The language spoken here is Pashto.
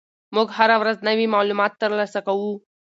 موږ هره ورځ نوي معلومات ترلاسه کوو.